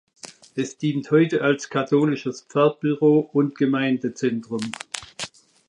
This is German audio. Es dient heute als katholisches Pfarrbüro und Gemeindezentrum.